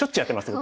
僕。